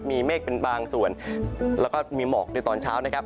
มีเมฆเป็นบางส่วนแล้วก็มีหมอกในตอนเช้านะครับ